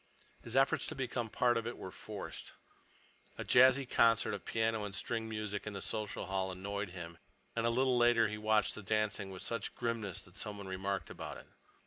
His efforts to become a part of it were forced. A jazzy concert of piano and string music in the social hall annoyed him, and a little later he watched the dancing with such grimness that someone remarked about it.